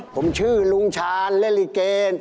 ผมชื่อลุงชาลเรลลิเกช์